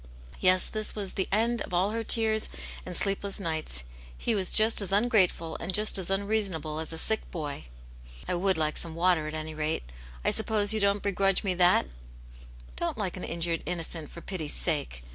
Yes, this was the end of all her tears and sleepless nights; he was just as ungrateful, and just as unreason able as a sick boy. " I would like some water, at any rate. I suppose you don't begrudge me that Don't look like an in jured innocent, for pity's sake."